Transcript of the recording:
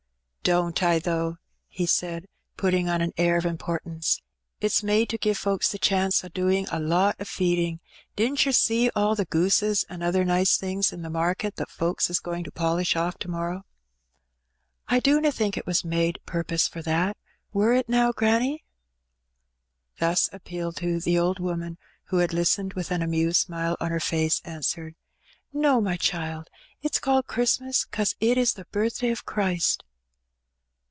'^ "Don't I, though?'' he said, putting on an air of im portance. " It's made to give folks the chance of doing a lot o' feeding ; didn't yer see all the gooses an' other nice things in the market that the folks is going to polish oflf to morrow?" "I dunna think it was made purpose for that. Wur it, now, granny?" Thus appealed to, the old woman, who had listened with an amused smile on her face, answered — "No, my child. It's called Christmas 'cause it is the birthday of Christ."